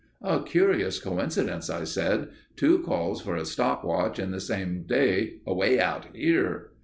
"A curious coincidence," I said. "Two calls for a stop watch in the same day away out here."